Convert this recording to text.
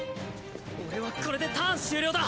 俺はこれでターン終了だ。